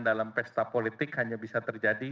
dalam pesta politik hanya bisa terjadi